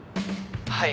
はい。